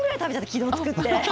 昨日作って。